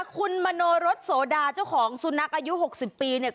คุณมณรสโศดาเจ้าของสุนัขอายุ๖๐ปี